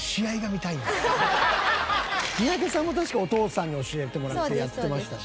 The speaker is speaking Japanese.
三宅さんも確かお父さんに教えてもらってやっていましたし。